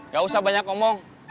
ga usah banyak omong